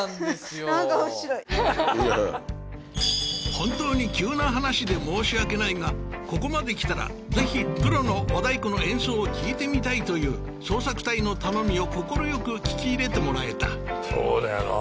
本当に急な話で申し訳ないがここまで来たらぜひプロの和太鼓の演奏を聴いてみたいという捜索隊の頼みを快く聞き入れてもらえたそうだよな